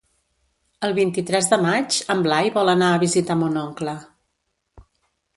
El vint-i-tres de maig en Blai vol anar a visitar mon oncle.